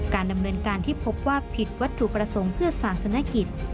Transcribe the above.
การดำเนินการที่พบว่าผิดวัตถุประสงค์เพื่อศาสนกิจ